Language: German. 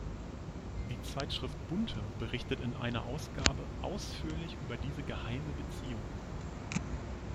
Die Zeitschrift Bunte berichtete in einer Ausgabe ausführlich über diese „geheime“ Beziehung.